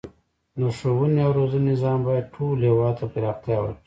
د ښوونې او روزنې نظام باید ټول هیواد ته پراختیا ورکړي.